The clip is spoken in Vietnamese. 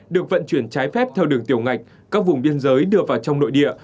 được vận chuyển trái phép theo đường tiểu ngạch các vùng biên giới đưa vào trong nội địa